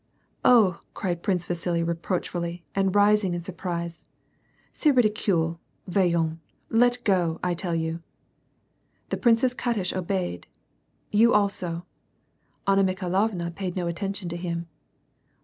" Oh !" cried Triuce Vasili reproachfully, and rising in sur prise :" Cest ridicule / Voyoiis ! Let go, I tell you !" The Princess Katish obeyed. " You also !" Anna Mikhailovna paid no attention to him.